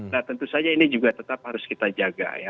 nah tentu saja ini juga tetap harus kita jaga ya